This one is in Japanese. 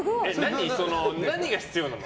何が必要なの？